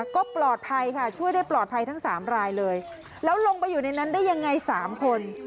ก็ปลอดภัยค่ะช่วยได้ปลอดภัยทั้งสามรายเลยแล้วลงไปอยู่ในนั้นได้ยังไง๓คน